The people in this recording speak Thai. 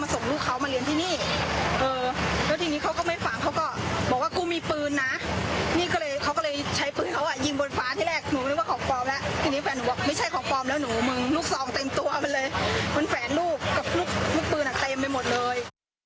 มันแฝนลูกกับลูกปืนหัตถร์เต็มไปหมดเลย